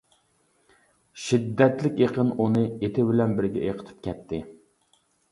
شىددەتلىك ئېقىن ئۇنى ئېتى بىلەن بىرگە ئېقىتىپ كەتتى.